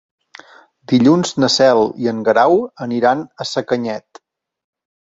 Dilluns na Cel i en Guerau aniran a Sacanyet.